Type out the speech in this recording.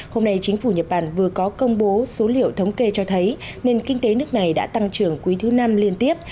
hôm nay chính phủ nhật bản vừa có công bố số liệu thống kê cho thấy nền kinh tế nước này đã tăng trưởng quý thứ năm liên tiếp